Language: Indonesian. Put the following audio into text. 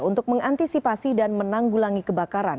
untuk mengantisipasi dan menanggulangi kebakaran